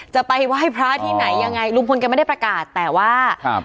จะไปไหว้พระที่ไหนยังไงลุงพลแกไม่ได้ประกาศแต่ว่าครับ